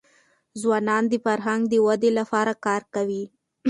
ځوانان د فرهنګ د ودې لپاره کار کوي.